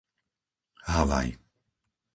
Havaj